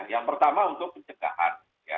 yang pertama untuk pencegahan